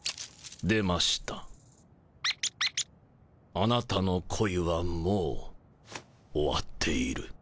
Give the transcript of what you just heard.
あなたの恋はもう終わっている。